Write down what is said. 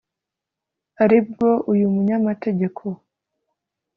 aribwo uyu munyamategeko